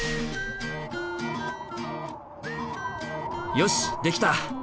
よしできた！